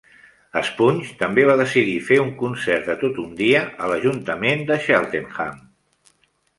Spunge també va decidir fer un concert de tot un dia a l'ajuntament de Cheltenham.